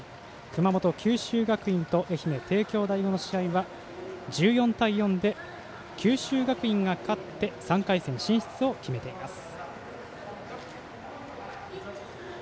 熊本、九州学院と愛媛、帝京第五の試合は１４対４で九州学院が勝って３回戦進出を決めています。